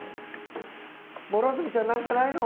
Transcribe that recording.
両角ちゃん何かないの？